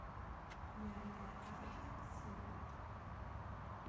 Jeg er aldrig syg